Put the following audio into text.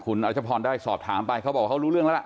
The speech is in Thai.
คุณรัชพรได้สอบถามไปเขาบอกเขารู้เรื่องแล้วล่ะ